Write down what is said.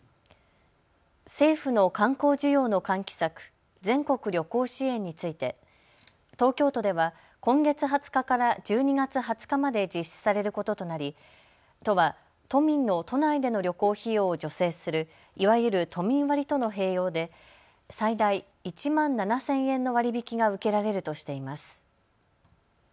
政府の観光需要の喚起策、全国旅行支援について東京都では今月２０日から１２月２０日まで実施されることとなり、都は都民の都内での旅行費用を助成する、いわゆる都民割との併用で最大１万７０００円の割り引きが受けられるとしています。